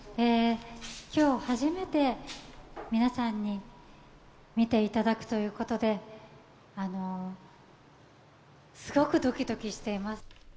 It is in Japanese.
きょう初めて皆さんに見ていただくということで、すごくどきどきしています。